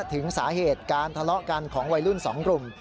ถึงสาเหตุการทะเลาะกันของวัยรุ่น๒กลุ่ม